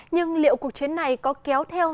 nhưng liệu cuộc chiến này có kéo theo